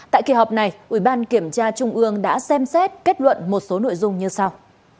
tại kỳ họp này ủy ban kiểm tra trung ương đã xem xét kết luận một số nội dung như sau